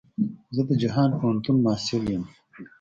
زه د جهان پوهنتون محصل يم.